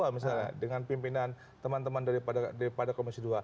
misalnya dengan pimpinan teman teman daripada komisi dua